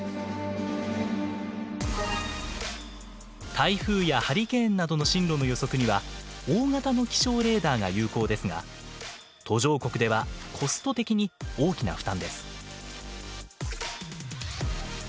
台風やハリケーンなどの進路の予測には大型の気象レーダーが有効ですが途上国ではコスト的に大きな負担です。